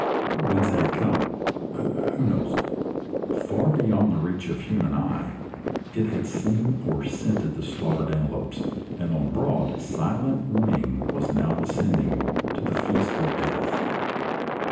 Whence had it come? Who knows? Far beyond the reach of human eye it had seen or scented the slaughtered antelopes, and on broad, silent wing was now descending to the feast of death.